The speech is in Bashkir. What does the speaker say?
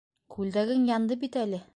Күлдәгең янды бит әле.